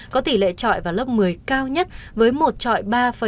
có tỷ lệ trọi vào lớp một mươi cao nhất với một trọi ba năm mươi bốn